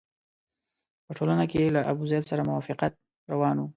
په ټولنه کې له ابوزید سره موافقت روان وو.